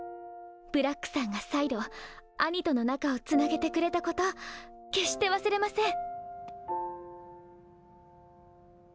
ブラックさんが再度兄との仲をつなげてくれたこと決して忘れません」。